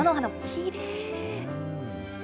きれい。